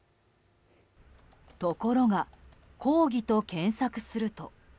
ところが抗議と検索すると。